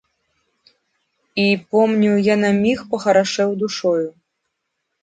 І, помню, я на міг пахарашэў душою.